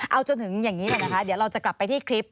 เอาจนถึงอย่างนี้ก่อนนะคะเดี๋ยวเราจะกลับไปที่คลิป